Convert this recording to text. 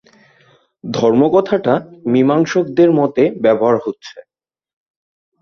ধর্ম-কথাটা মীমাংসকদের মতে ব্যবহার হচ্ছে।